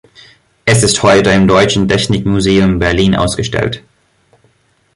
Es ist heute im Deutschen Technikmuseum Berlin ausgestellt.